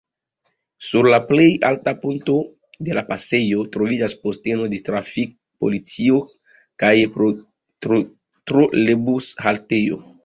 Sur la plej alta punkto de la pasejo troviĝas posteno de trafik-polico kaj trolebus-haltejo.